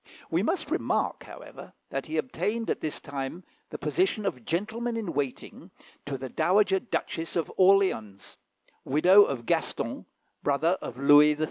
We must remark, however, that he obtained at this time the position of Gentleman in Waiting to the Dowager Duchess of Orleans, widow of Gaston, brother of Louis XIII.